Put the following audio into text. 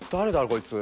こいつ。